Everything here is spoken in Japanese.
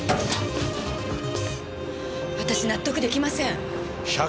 私納得出来ません。